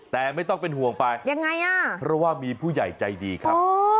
แต่ไม่ต้องเป็นห่วงไปยังไงอ่ะเพราะว่ามีผู้ใหญ่ใจดีครับ